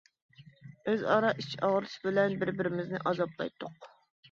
ئۆزئارا ئىچ ئاغرىتىش بىلەن بىر-بىرىمىزنى ئازابلايتتۇق.